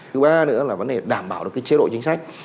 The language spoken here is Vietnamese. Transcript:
thứ ba nữa là vấn đề đảm bảo được chế độ chính sách